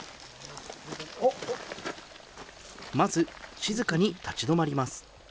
まず、静かに立ち止まります。